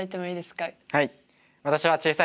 はい。